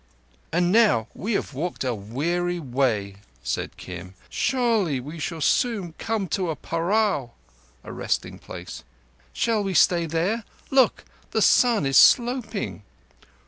"And now we have walked a weary way," said Kim. "Surely we shall soon come to a parao (a resting place). Shall we stay there? Look, the sun is sloping."